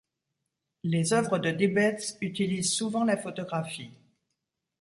Les œuvres de Dibbets utilisent souvent la photographie.